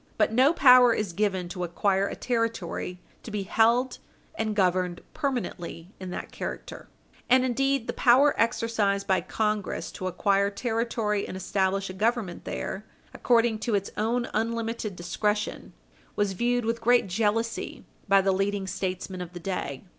But no power is given to acquire a Territory to be held and governed permanently in that character. And indeed the power exercised by Congress to acquire territory and establish a Government there, according to its own unlimited discretion, was viewed with great jealousy by the Page 60 U. S. 447 leading statesmen of the day.